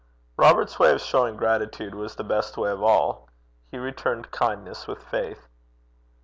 Robert's way of showing gratitude was the best way of all. He returned kindness with faith.